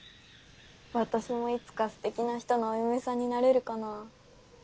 私もいつかステキな人のお嫁さんになれるかなぁ。